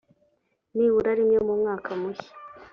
nibura rimwe mu mwaka mushya